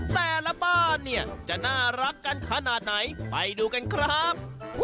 แต่ละบ้านเนี่ยจะน่ารักกันขนาดไหนไปดูกันครับ